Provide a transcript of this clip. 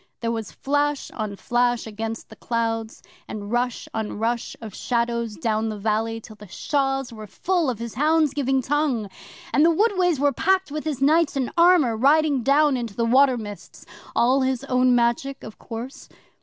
There was flash on flash against the clouds, and rush on rush of shadows down the valley till the shaws were full of his hounds giving tongue, and the woodways were packed with his knights in armour riding down into the water mists all his own Magic, of course.